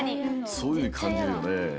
そういうふうにかんじるよね。